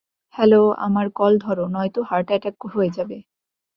Hello, আমার call ধরো, নয়তো হার্ট অ্যাটাক হয়ে যাবে।